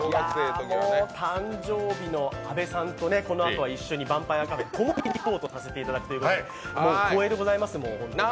誕生日の阿部さんとこのあと一緒にヴァンパイアカフェ、リポートさせていただくということで光栄でございます。